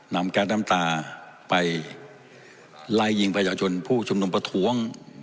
แก๊สน้ำตาไปไล่ยิงประชาชนผู้ชุมนุมประท้วง